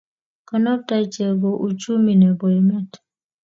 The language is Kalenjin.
Konobtoi chego uchumi nebo emet